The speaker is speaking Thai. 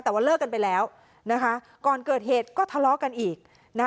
แต่ว่าเลิกกันไปแล้วนะคะก่อนเกิดเหตุก็ทะเลาะกันอีกนะคะ